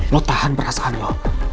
lo tahan perasaan lo